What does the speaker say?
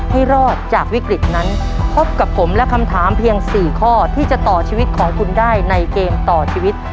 ให้รอดจากวิกฤตนั้นพบกับผมและคำถามเพียง๔ข้อที่จะต่อชีวิตของคุณได้ในเกมต่อชีวิต